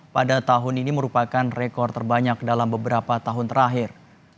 pada tahun ini merupakan rekor terbanyak dalam beberapa tahun terakhir